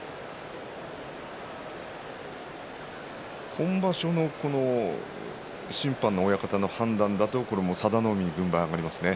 今場所の、この審判の親方の判断だと、これは佐田の海に軍配が上がりますね。